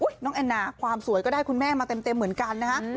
น้องแอนนาความสวยก็ได้คุณแม่มาเต็มเหมือนกันนะฮะ